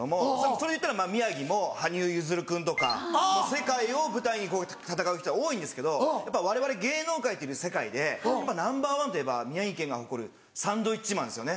それ言ったらまぁ宮城も羽生結弦君とか世界を舞台に戦う人が多いんですけどやっぱわれわれ芸能界っていう世界でナンバーワンといえば宮城県が誇るサンドウィッチマンですよね。